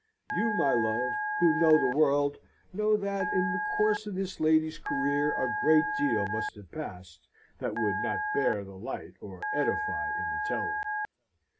You, my love, who know the world, know that in the course of this lady's career a great deal must have passed that would not bear the light, or edify in the telling.